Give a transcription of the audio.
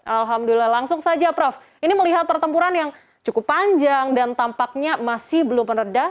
alhamdulillah langsung saja prof ini melihat pertempuran yang cukup panjang dan tampaknya masih belum meredah